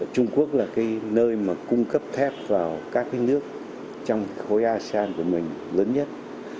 trung quốc là nơi cung cấp thép vào các nước trong khối asean của mình lớn nhất